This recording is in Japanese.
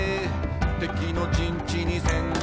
「敵の陣地に潜入」